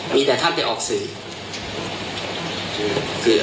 มีแต่ท่านไปออกสื่อ